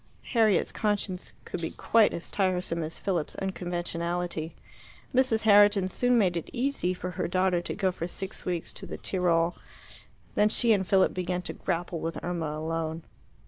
Harriet's conscience could be quite as tiresome as Philip's unconventionality. Mrs. Herriton soon made it easy for her daughter to go for six weeks to the Tirol. Then she and Philip began to grapple with Irma alone.